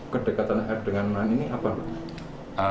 kedekatan r dengan r ini apa